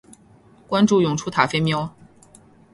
关注永雏塔菲喵